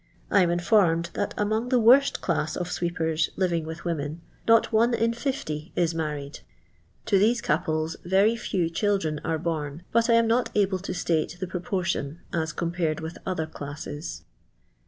I am informed that, among the worst class of sweepers living I with women, not one in 50 is married. To these •' couples Ter}' few cbildren are bom ; but I am not able to state the proportion as compared with other classes.